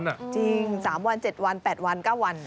จริง๓วัน๗วัน๘วัน๙วัน